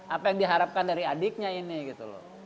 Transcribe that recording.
apa yang diharapkan dari adiknya ini gitu loh